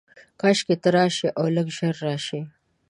کاشکي ته راشې، اولږ ژر راشې